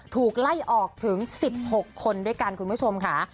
ถูกไล่ออกถึง๑๖คนด้วยกันคุณผู้ชมค่ะ